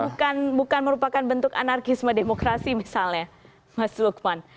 undang undang ini bukan merupakan bentuk anarkisme demokrasi misalnya mas lukman